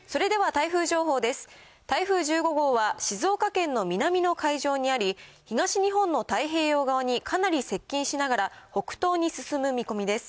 台風１５号は静岡県の南の海上にあり、東日本の太平洋側にかなり接近しながら、北東に進む見込みです。